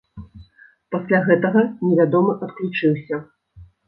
Пасля гэтага невядомы адключыўся.